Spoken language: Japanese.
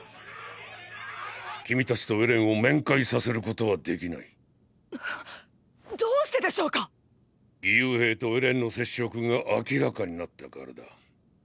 君たちとエレンを面会させることはできない。！！どうしてでしょうか⁉義勇兵とエレンの接触が明らかになったからだ。